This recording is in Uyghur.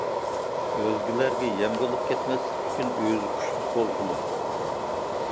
ئۆزگىلەرگە يەم بولۇپ كەتمەسلىك ئۈچۈن ئۆزى كۈچلۈك بولغۇلۇق.